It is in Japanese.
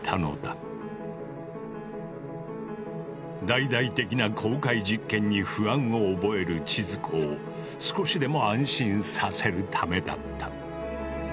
大々的な公開実験に不安を覚える千鶴子を少しでも安心させるためだった。